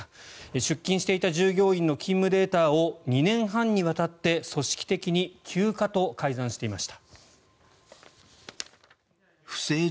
出勤していた従業員の勤務データを２年半にわたって組織的に休暇と改ざんしていました。